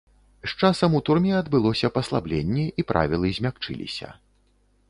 З часам у турме адбылося паслабленне і правілы змякчыліся.